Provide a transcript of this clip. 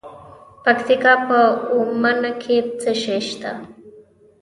د پکتیکا په اومنه کې څه شی شته؟